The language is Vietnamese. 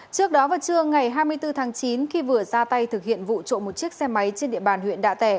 trước đó vào trưa ngày hai mươi bốn tháng chín khi vừa ra tay thực hiện vụ trộm một chiếc xe máy trên địa bàn huyện đạ tẻ